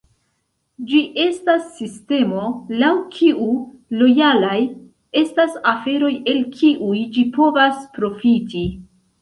Ĝi estas sistemo, laŭ kiu lojalaj estas aferoj el kiuj ĝi povas profiti.